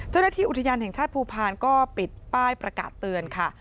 เจ้าหน้าที่อุทยานแห่งชาติภูพาลก็ปิดป้ายประกาศเตือนค่ะ